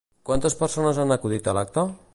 Quantes persones han acudit a l'acte?